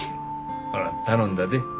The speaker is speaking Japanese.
ほな頼んだで。